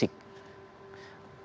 tidak harus secara fisik